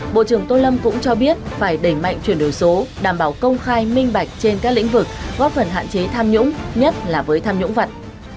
bộ trưởng tô lâm cũng cho biết phải đẩy mạnh chuyển đổi số đảm bảo công khai minh bạch trên các lĩnh vực góp phần hạn chế tham nhũng nhất là với tham nhũng vật